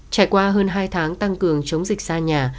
trải qua hơn hai tháng tăng cường chống dịch ra nhà